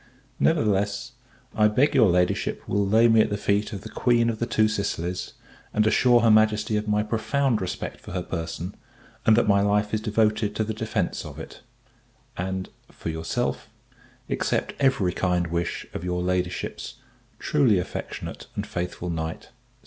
Nevertheless, I beg your Ladyship will lay me at the feet of the Queen of the Two Sicilies, and assure her Majesty of my profound respect for her person, and that my life is devoted to the defence of it: and, for yourself, accept every kind wish of your Ladyship's truly affectionate and faithful Knight, ST.